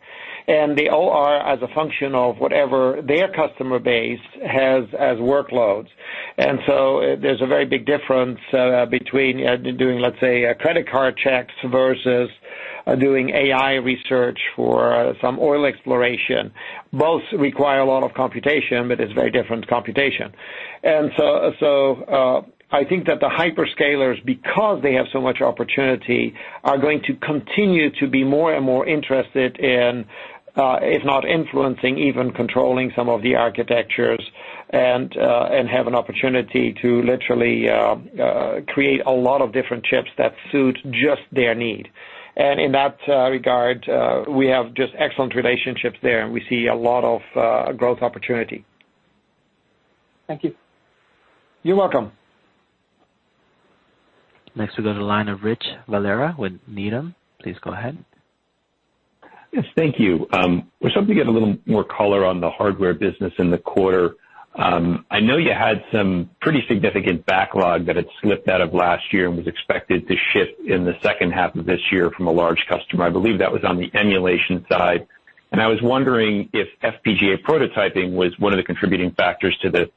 and they all are as a function of whatever their customer base has as workloads. There's a very big difference between doing, let's say, credit card checks versus doing AI research for some oil exploration. Both require a lot of computation, but it's very different computation. I think that the hyperscalers, because they have so much opportunity, are going to continue to be more and more interested in, if not influencing, even controlling some of the architectures and have an opportunity to literally create a lot of different chips that suit just their need. In that regard, we have just excellent relationships there, and we see a lot of growth opportunity. Thank you. You're welcome. Next we go to the line of Rich Valera with Needham. Please go ahead. Yes, thank you. I was hoping to get a little more color on the hardware business in the quarter. I know you had some pretty significant backlog that had slipped out of last year and was expected to ship in the second half of this year from a large customer. I believe that was on the emulation side. I was wondering if FPGA prototyping was one of the contributing factors to the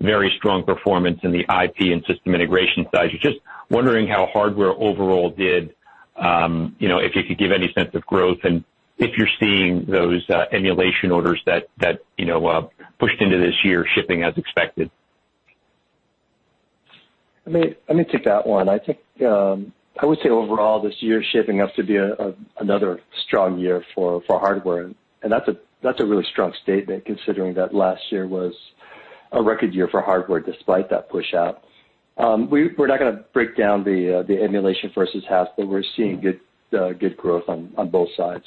very strong performance in the IP and system integration side. Just wondering how hardware overall did, if you could give any sense of growth and if you're seeing those emulation orders that pushed into this year shipping as expected. Let me take that one. I would say overall, this year's shaping up to be another strong year for hardware, and that's a really strong statement considering that last year was a record year for hardware, despite that push-out. We're not going to break down the emulation versus HAPS, but we're seeing good growth on both sides.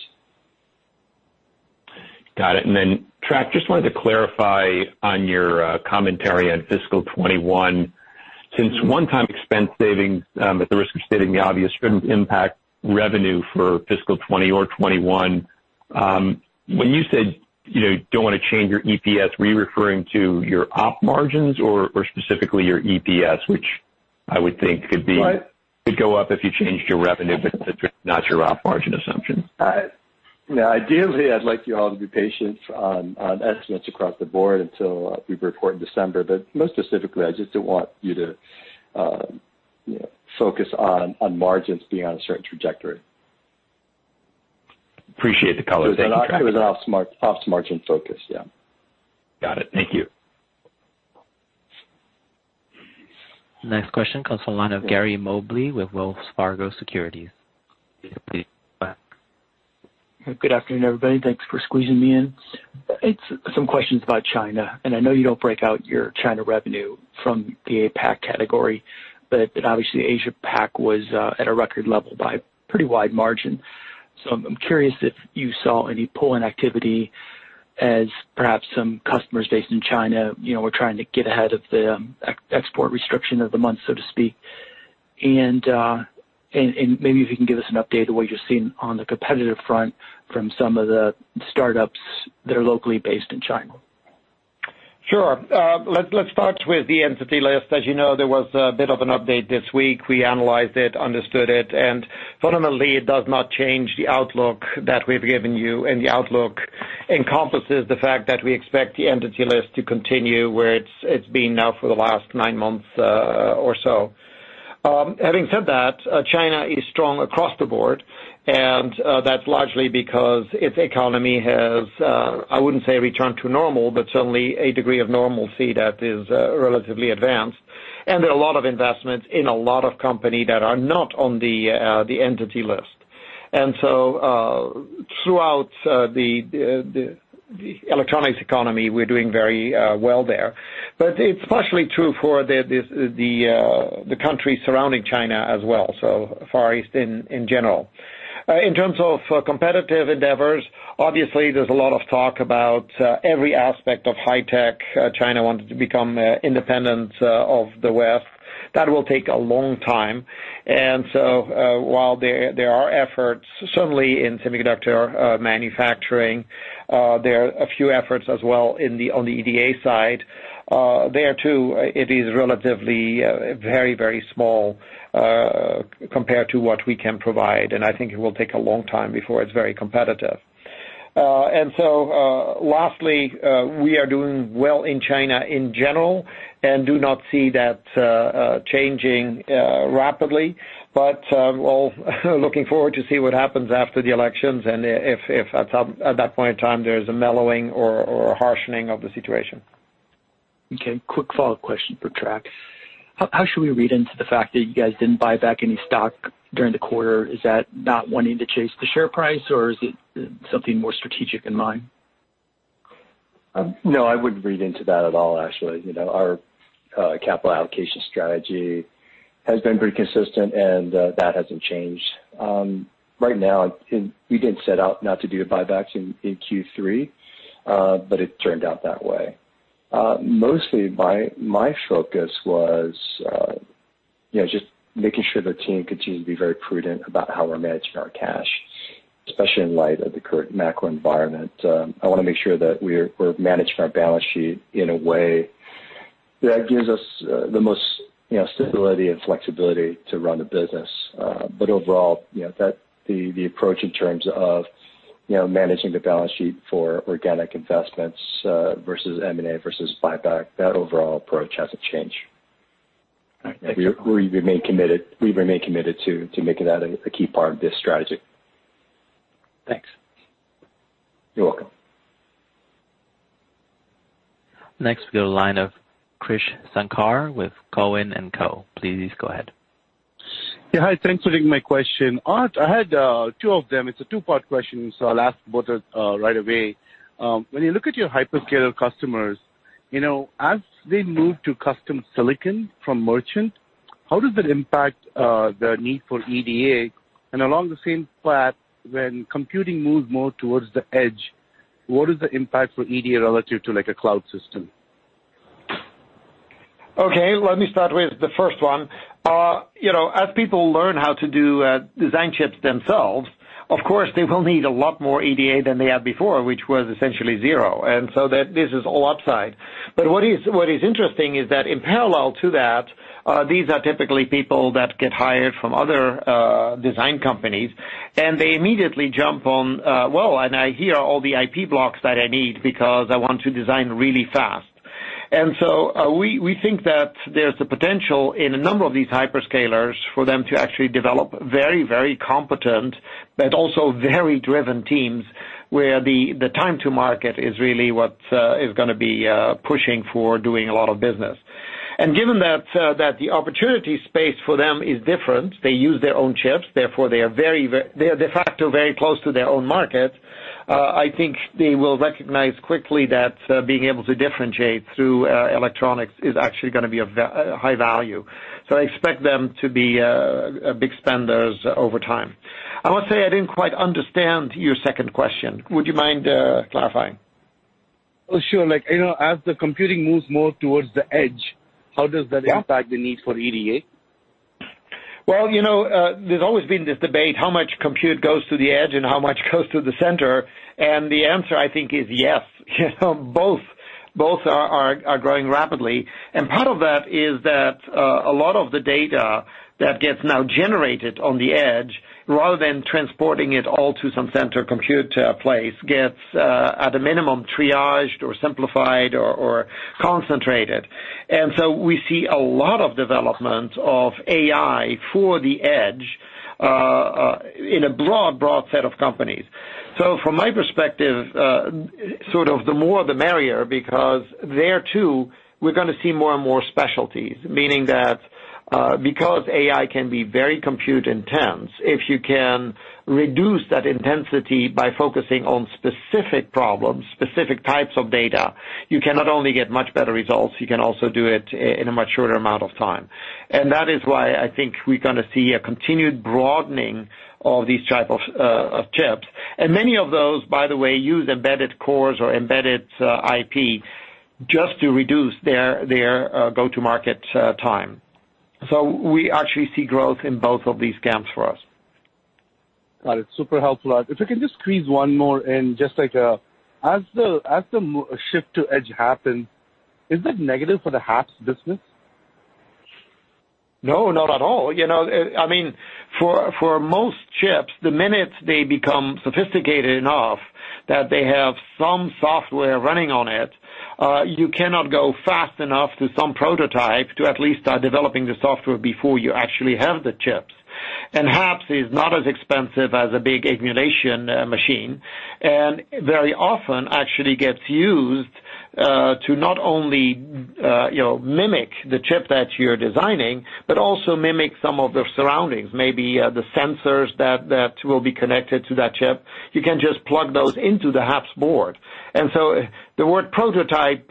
Got it. Trac, just wanted to clarify on your commentary on fiscal 2021. Since one-time expense savings, at the risk of stating the obvious, shouldn't impact revenue for fiscal 2020 or 2021. When you said you don't want to change your EPS, were you referring to your op margins or specifically your EPS, which I would think could go up if you changed your revenue, but not your op margin assumption? No. Ideally, I'd like you all to be patient on estimates across the board until we report in December. Most specifically, I just don't want you to focus on margins being on a certain trajectory. Appreciate the color. Thank you. It was an ops margin focus, yeah. Got it. Thank you. Next question comes from the line of Gary Mobley with Wells Fargo Securities. Please go ahead. Good afternoon, everybody. Thanks for squeezing me in. It's some questions about China. I know you don't break out your China revenue from the APAC category, but obviously APAC was at a record level by a pretty wide margin. I'm curious if you saw any pull-in activity as perhaps some customers based in China were trying to get ahead of the export restriction of the month, so to speak. Maybe if you can give us an update of what you're seeing on the competitive front from some of the startups that are locally based in China. Sure. Let's start with the Entity List. As you know, there was a bit of an update this week. We analyzed it, understood it, and fundamentally it does not change the outlook that we've given you, and the outlook encompasses the fact that we expect the Entity List to continue where it's been now for the last nine months or so. Having said that, China is strong across the board, and that's largely because its economy has, I wouldn't say returned to normal, but certainly a degree of normalcy that is relatively advanced. There are a lot of investments in a lot of companies that are not on the Entity List. Throughout the electronics economy, we're doing very well there. It's partially true for the countries surrounding China as well, so Far East in general. In terms of competitive endeavors, obviously there's a lot of talk about every aspect of high tech. China wanted to become independent of the West. That will take a long time. While there are efforts certainly in semiconductor manufacturing, there are a few efforts as well on the EDA side. There, too, it is relatively very small compared to what we can provide, and I think it will take a long time before it's very competitive. Lastly, we are doing well in China in general and do not see that changing rapidly. We're looking forward to see what happens after the elections and if at that point in time there's a mellowing or a harshening of the situation. Okay. Quick follow-up question for Trac. How should we read into the fact that you guys didn't buy back any stock during the quarter? Is that not wanting to chase the share price, or is it something more strategic in mind? No, I wouldn't read into that at all, actually. Our capital allocation strategy has been pretty consistent. That hasn't changed. Right now, we didn't set out not to do buybacks in Q3. It turned out that way. Mostly, my focus was just making sure the team continues to be very prudent about how we're managing our cash, especially in light of the current macro environment. I want to make sure that we're managing our balance sheet in a way that gives us the most stability and flexibility to run the business. Overall, the approach in terms of managing the balance sheet for organic investments versus M&A versus buyback, that overall approach hasn't changed. We remain committed to making that a key part of this strategy. Thanks. You're welcome. We go to line of Krish Sankar with Cowen & Co. Please go ahead. Yeah. Hi, thanks for taking my question. Aart, I had two of them. It's a two-part question. I'll ask both right away. When you look at your hyperscaler customers, as they move to custom silicon from merchant, how does that impact the need for EDA? Along the same path, when computing moves more towards the edge, what is the impact for EDA relative to a cloud system? Okay. Let me start with the first one. As people learn how to do design chips themselves, of course, they will need a lot more EDA than they had before, which was essentially zero. This is all upside. What is interesting is that in parallel to that, these are typically people that get hired from other design companies, and they immediately jump on, "Well, and I hear all the IP blocks that I need because I want to design really fast." We think that there's the potential in a number of these hyperscalers for them to actually develop very competent, but also very driven teams, where the time to market is really what is going to be pushing for doing a lot of business. Given that the opportunity space for them is different, they use their own chips. Therefore, they are de facto very close to their own market. I think they will recognize quickly that being able to differentiate through electronics is actually going to be of high value. I expect them to be big spenders over time. I would say I didn't quite understand your second question. Would you mind clarifying? Sure. As the computing moves more towards the edge, how does that impact the need for EDA? Well, there's always been this debate, how much compute goes to the edge and how much goes to the center. The answer, I think, is yes. Both are growing rapidly. Part of that is that a lot of the data that gets now generated on the edge rather than transporting it all to some center compute place, gets, at a minimum, triaged or simplified or concentrated. We see a lot of development of AI for the edge in a broad set of companies. From my perspective, sort of the more the merrier, because there, too, we're going to see more and more specialties. Meaning that because AI can be very compute intense, if you can reduce that intensity by focusing on specific problems, specific types of data, you can not only get much better results, you can also do it in a much shorter amount of time. That is why I think we're going to see a continued broadening of these type of chips. Many of those, by the way, use embedded cores or embedded IP just to reduce their go-to-market time. We actually see growth in both of these camps for us. Got it. Super helpful, Aart. If I can just squeeze one more in, just like, as the shift to edge happens, is that negative for the HAPS business? No, not at all. For most chips, the minute they become sophisticated enough that they have some software running on it, you cannot go fast enough to some prototype to at least start developing the software before you actually have the chips. HAPS is not as expensive as a big emulation machine, and very often actually gets used to not only mimic the chip that you're designing, but also mimic some of the surroundings, maybe the sensors that will be connected to that chip. You can just plug those into the HAPS board. The word prototype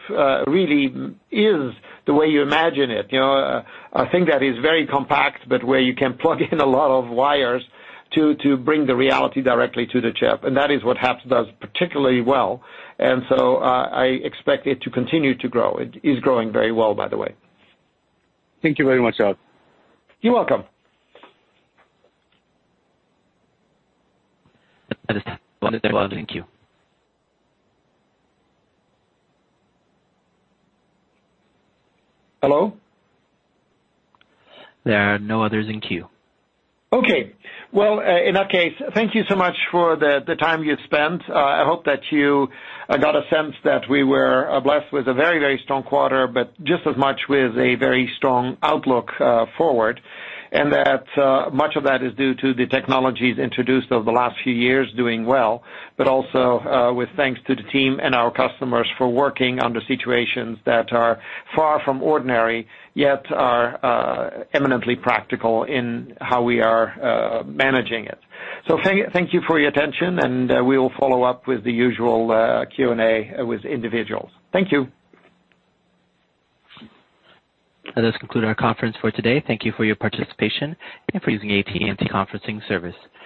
really is the way you imagine it. A thing that is very compact, but where you can plug in a lot of wires to bring the reality directly to the chip, and that is what HAPS does particularly well. I expect it to continue to grow. It is growing very well, by the way. Thank you very much, Aart. You're welcome. Hello? There are no others in queue. Okay. Well, in that case, thank you so much for the time you spent. I hope that you got a sense that we were blessed with a very strong quarter, but just as much with a very strong outlook forward, and that much of that is due to the technologies introduced over the last few years doing well, but also with thanks to the team and our customers for working under situations that are far from ordinary, yet are eminently practical in how we are managing it. Thank you for your attention, and we will follow up with the usual Q&A with individuals. Thank you. This conclude our conference for today. Thank you for your participation and for using AT&T Conferencing service.